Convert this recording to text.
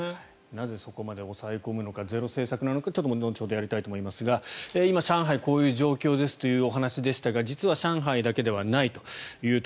なぜそこまで抑え込むのかゼロ政策なのか後ほどやりたいと思いますが今、上海はこういう状況ですというお話でしたが実は上海だけではないと。